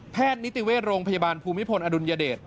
นิติเวชโรงพยาบาลภูมิพลอดุลยเดช